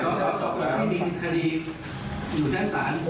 อย่าโกรธผมก็ได้นะ